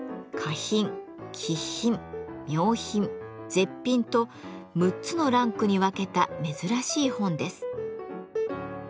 絶品と６つのランクに分けた珍しい本です。